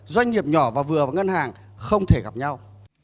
doanh nghiệp nhỏ và ngân hàng không thể gặp nhau